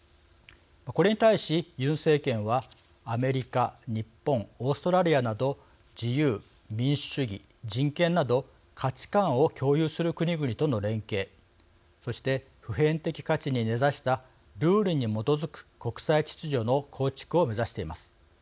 これに対しユン政権はアメリカ、日本オーストラリアなど自由、民主主義、人権など価値観を共有する国々との連携そして普遍的価値に根ざしたルールに基づく国際秩序の構築を目指しています。